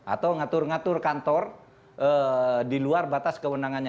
atau ngatur ngatur kantor di luar batas kewenangannya